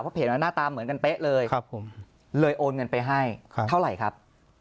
เพราะเพจว่าหน้าตาเหมือนกันเป๊ะเลยเลยโอนเงินไปให้เท่าไหร่ครับ